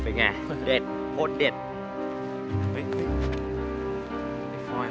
ชื่อฟอยแต่ไม่ใช่แฟง